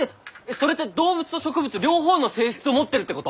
それって動物と植物両方の性質を持ってるってこと？